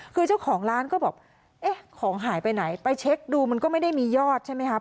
คือเจ้าของร้านก็บอกเอ๊ะของหายไปไหนไปเช็คดูมันก็ไม่ได้มียอดใช่ไหมครับ